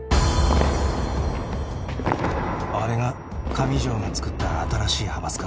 あれが上條が作った新しい派閥か。